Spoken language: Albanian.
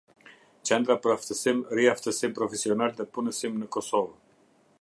Qendra për aftësim, riaftësim profesional dhe punësim në Kosovë.